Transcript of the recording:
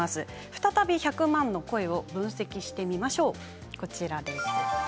再び１００万の声を分析してみましょうこちらです。